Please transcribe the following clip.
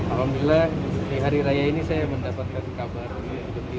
alhamdulillah di hari raya ini saya mendapatkan kabar